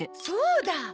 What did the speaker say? そうだ！